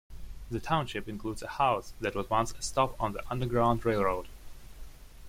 The township includes a house that was once a stop on the Underground Railroad.